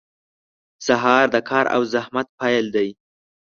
• سهار د کار او زحمت پیل دی.